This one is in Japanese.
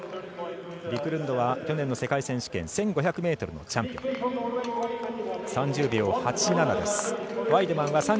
ビクルンドは去年の世界選手権１５００ｍのチャンピオン。